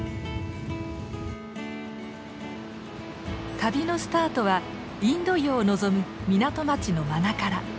旅のスタートはインド洋を望む港町のマナカラ。